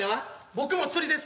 僕も釣りです。